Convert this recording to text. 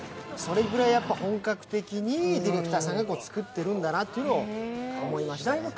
それぐらい本格的にディレクターさんが作ってるんだなというのは思いましたね。